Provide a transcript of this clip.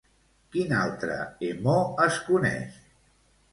Quin altre Hemó es coneix?